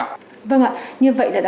công an dân